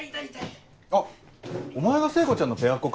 あっお前が聖子ちゃんのペアっ子か。